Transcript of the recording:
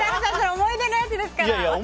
思い出のやつですから！